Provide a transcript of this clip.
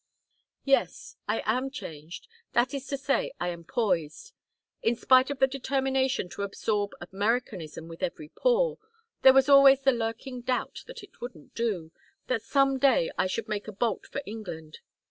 "Yes I am changed. That is to say, I am poised. In spite of the determination to absorb Americanism with every pore, there was always the lurking doubt that it wouldn't do; that some day I should make a bolt for England.